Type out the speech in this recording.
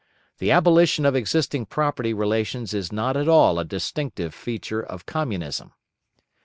The abolition of existing property relations is not at all a distinctive feature of Communism.